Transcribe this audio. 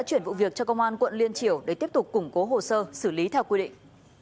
chuyển vụ việc cho công an quận liên triều để tiếp tục củng cố hồ sơ xử lý theo quy định